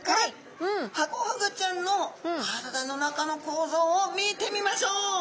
ハコフグちゃんの体の中の構造を見てみましょう。